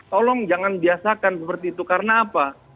tolong jangan biasakan seperti itu karena apa